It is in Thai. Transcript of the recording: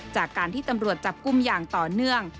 จากการที่ตำรวจจับกลุ่มอย่างต่อเนื่อง